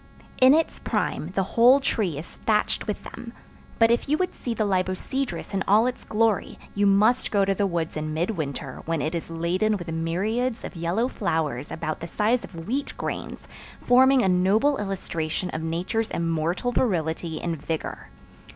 In its prime the whole tree is thatched with them, but if you would see the libocedrus in all its glory you must go to the woods in midwinter when it is laden with myriads of yellow flowers about the size of wheat grains, forming a noble illustration of Nature's immortal virility and vigor.